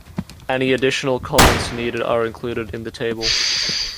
Any additional comments needed are included in the table.